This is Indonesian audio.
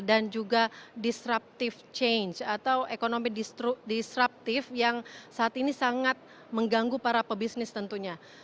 dan juga disruptive change atau ekonomi disruptive yang saat ini sangat mengganggu para pebisnis tentunya